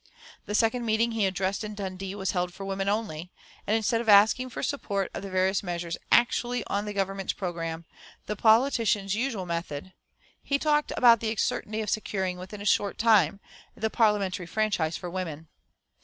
The second meeting he addressed in Dundee was held for women only, and instead of asking for support of the various measures actually on the government's programme, the politician's usual method, he talked about the certainty of securing, within a short time, the Parliamentary franchise for women.